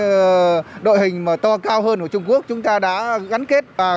các đội hình to cao hơn của trung quốc chúng ta đã gắn kết